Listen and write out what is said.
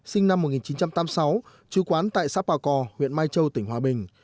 sinh năm một nghìn chín trăm tám mươi sáu trú quán tại sáp bào cò huyện mai châu tỉnh hòa bình